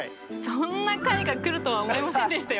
そんな回が来るとは思いませんでしたよ